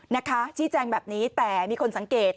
นะคะชี้แจงแบบนี้แต่มีคนสังเกต